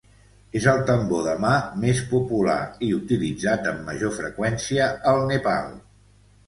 És el tambor de mà més popular i utilitzat amb major freqüència al Nepal.